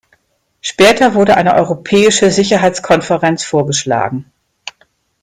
Später wurde eine europäische Sicherheitskonferenz vorgeschlagen.